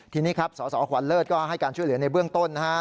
ทีนี้ครับสสขวัญเลิศก็ให้การช่วยเหลือในเบื้องต้นนะฮะ